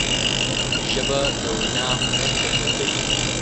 ژبه د وینا هنر څرګندوي